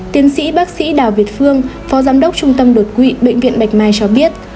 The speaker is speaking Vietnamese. tiến sĩ bác sĩ đào việt phương phó giám đốc trung tâm đột quỵ bệnh viện bạch mai cho biết